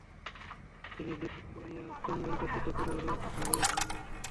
চেলীর জোড় পরিয়া চন্দনচর্চিত কলেবরে ভাবে ভোর হইয়া বসিয়া আছেন।